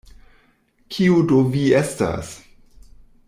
Kiu do vi estas?